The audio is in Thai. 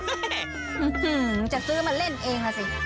จะซื้อมาเล่นเองล่ะสิ